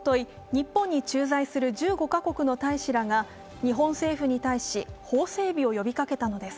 日本に駐在する１５か国の大使らが日本政府に対し法整備を呼びかけたのです。